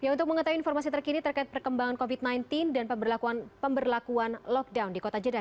untuk mengetahui informasi terkini terkait perkembangan covid sembilan belas dan pemberlakuan lockdown di kota jeddah